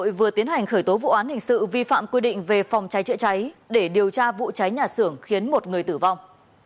vừa tiến hành khởi tố vụ án hình sự vi phạm quy định về phòng cháy chữa cháy để điều tra vụ cháy nhà xưởng khiến một người tử vong